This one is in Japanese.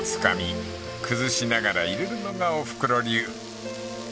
［崩しながら入れるのがおふくろ流］